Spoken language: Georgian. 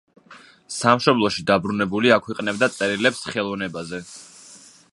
სამშობლოში დაბრუნებული აქვეყნებდა წერილებს ხელოვნებაზე.